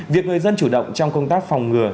việc người dân chủ động trong công tác phòng ngừa